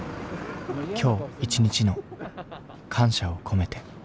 今日一日の感謝を込めて。